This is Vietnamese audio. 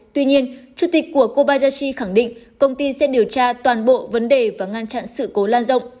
tuy nhiên chủ tịch của kobayashi khẳng định công ty sẽ điều tra toàn bộ vấn đề và ngăn chặn sự cố lan rộng